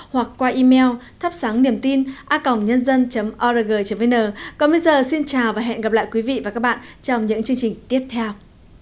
hoặc qua email thắp sángiểntin org vn còn bây giờ xin chào và hẹn gặp lại quý vị và các bạn trong những chương trình tiếp theo